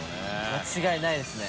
間違いないですね。